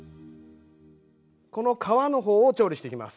この皮の方を調理していきます。